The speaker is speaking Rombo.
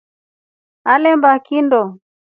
Atemba kindo.